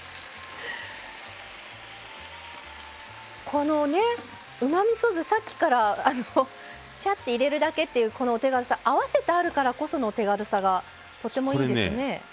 このうまみそ酢さっきからちゃって入れるだけって合わせてあるからこその手軽さがとてもいいですね。